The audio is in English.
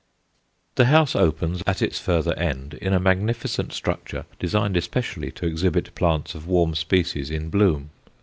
The house opens, at its further end, in a magnificent structure designed especially to exhibit plants of warm species in bloom.